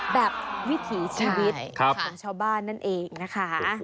แบบวิถีชีวิตของชาวบ้านนั่นเองนะคะใช่ครับ